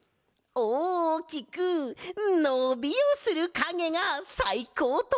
おおきくのびをするかげがさいこうとか？